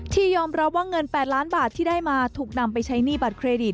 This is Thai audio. ที่ยอมรับว่าเงิน๘ล้านบาทที่ได้มาถูกนำไปใช้หนี้บัตรเครดิต